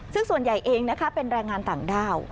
ซึ่งส่วนใหญ่เองนะคะเป็นแรงงานต่างด้าว